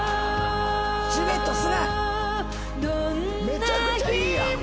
めちゃくちゃいいやん！